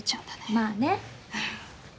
まあね。